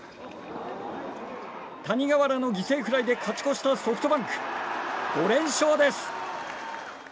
谷川原の犠牲フライで勝ち越したソフトバンク。５連勝です。